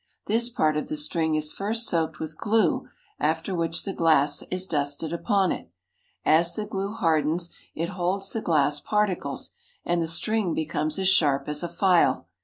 This part of the string is first soaked with glue, after which the glass is dusted upon it. As the glue hardens, it holds the glass particles, and the string becomes as sharp as a file.